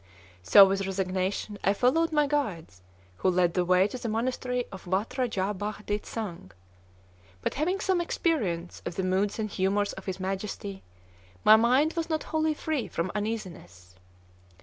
So with resignation I followed my guides, who led the way to the monastery of Watt Rajah Bah dit Sang. But having some experience of the moods and humors of his Majesty, my mind was not wholly free from uneasiness.